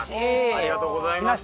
ありがとうございます。